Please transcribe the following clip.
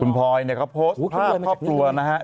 คุณพลอยเขาโพสต์ภาพพอบครัวนะครับ